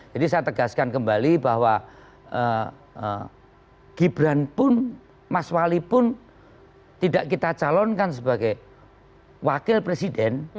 jadi saya tegaskan kembali bahwa gibran pun mas wali pun tidak kita calonkan sebagai wakil presiden